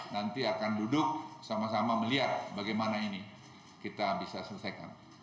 nanti akan duduk sama sama melihat bagaimana ini kita bisa selesaikan